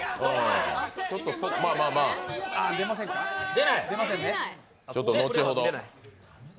まあまあまあ、後ほど。